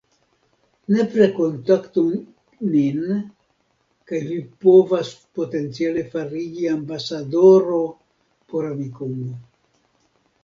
Nepre kontaktu nin kaj vi povas potenciale fariĝi ambasadoro por Amikumu